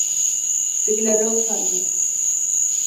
Тегеләре оҡшар ине.